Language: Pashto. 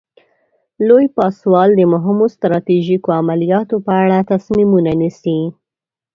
لوی پاسوال د مهمو ستراتیژیکو عملیاتو په اړه تصمیمونه نیسي.